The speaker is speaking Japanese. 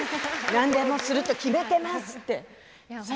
何でもすると決めていますって。